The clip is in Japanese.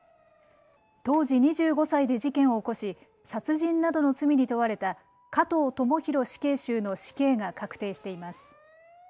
当時２５歳で事件を起こし殺人などの罪に問われた加藤智大死刑囚の死刑が確定しています。